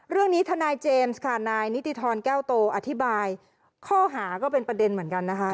เรื่องนี้ทนายเจมส์ค่ะนายนิติธรแก้วโตอธิบายข้อหาก็เป็นประเด็นเหมือนกันนะคะ